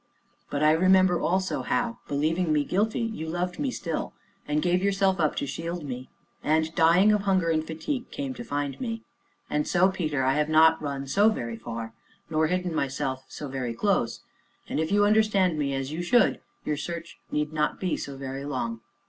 But I remember also how, believing me guilty, you loved me still, and gave yourself up, to shield me, and, dying of hunger and fatigue came to find me. And so, Peter, I have not run so very far, nor hidden myself so very close, and if you understand me as you should your search need not be so very long.